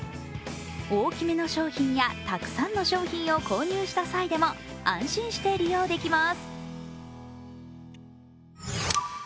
大きめの商品やたくさんの商品を購入した際でも安心して利用できます。